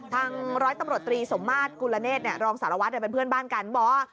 ร้อยตำรวจตรีสมมาตรกุลเนธรองสารวัตรเป็นเพื่อนบ้านกันบอกว่า